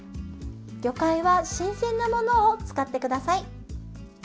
魚介は新鮮なものを使ってください。